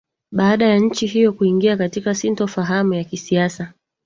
baada ya nchi hiyo kuingia katika sintofahamu ya kisiasa